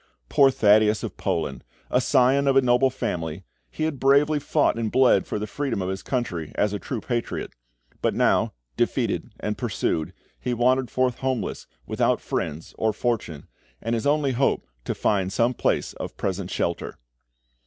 Poor Thaddeus of Poland! A scion of a noble family, he had bravely fought and bled for the freedom of his country, as a true patriot; but now, defeated and pursued, he wandered forth homeless, without friends or fortune, and his only hope to find some place of present shelter.